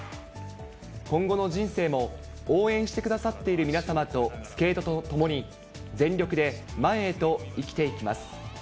今後の人生も、応援してくださっている皆様とスケートとともに全力で、前へと、生きていきます。